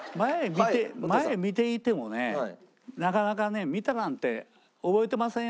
前見ていてもねなかなかね見たなんて覚えてませんよ